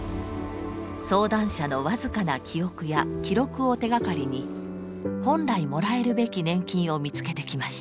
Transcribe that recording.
相談者の僅かな記憶や記録を手がかりに本来もらえるべき年金を見つけてきました。